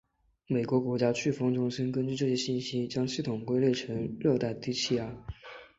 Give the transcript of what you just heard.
美国国家飓风中心根据这些信息将系统归类成热带低气压。